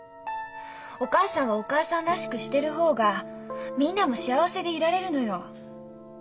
お母さんはお母さんらしくしてる方がみんなも幸せでいられるのよ。